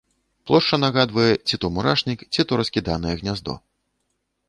Плошча нагадвае ці то мурашнік, ці то раскіданае гняздо.